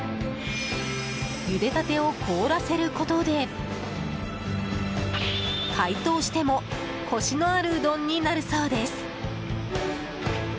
ゆでたてを凍らせることで解凍してもコシのあるうどんになるそうです。